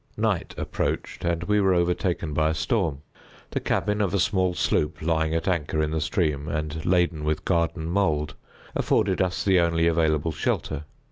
Night approached, and we were overtaken by a storm. The cabin of a small sloop lying at anchor in the stream, and laden with garden mould, afforded us the only available shelter.